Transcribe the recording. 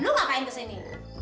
lu ngapain kesini